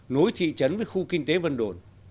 nối thị trấn với khu kinh tế vân đồn